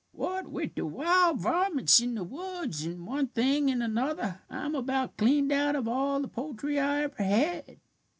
"What with the wild varmints in the woods and one thing an' another, I'm about cleaned out of all the poultry I ever had.